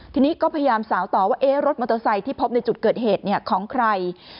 ทีนี้ก็พยายามสาวต่อว่ารถมอเตอร์ไซค์ที่พบในจุดเกิดเหตุของใคร